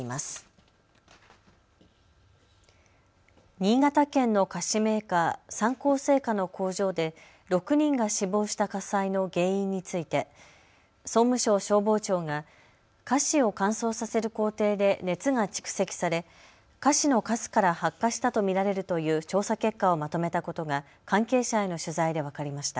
新潟県の菓子メーカー、三幸製菓の工場で６人が死亡した火災の原因について総務省消防庁が菓子を乾燥させる工程で熱が蓄積され菓子のかすから発火したと見られるという調査結果をまとめたことが関係者への取材で分かりました。